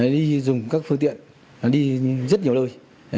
đi dùng các phương tiện đi rất nhiều nơi